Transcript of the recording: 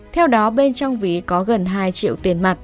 theo đó bên trong ví có gần hai triệu tiền mặt